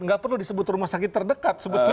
nggak perlu disebut rumah sakit terdekat sebetulnya